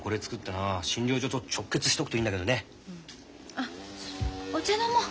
あお茶飲もう。